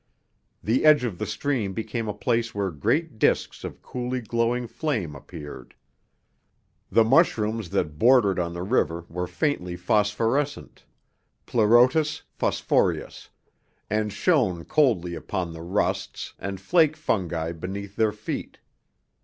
The edge of the stream became a place where great disks of coolly glowing flame appeared. The mushrooms that bordered on the river were faintly phosphorescent (Pleurotus phosphoreus) and shone coldly upon the "rusts" and flake fungi beneath their feet.